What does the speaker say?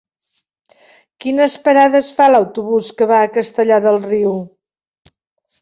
Quines parades fa l'autobús que va a Castellar del Riu?